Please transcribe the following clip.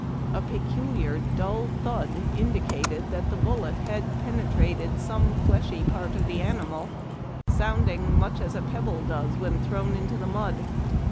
A peculiar dull thud indicated that the bullet had penetated some fleshy part of the animal, sounding much as a pebble does when thrown into the mud.